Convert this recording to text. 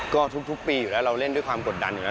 ก็ทุกปีอยู่แล้วเราเล่นด้วยความกดดันอยู่แล้ว